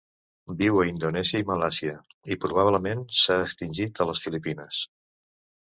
Viu a Indonèsia i Malàisia i probablement s'ha extingit a les Filipines.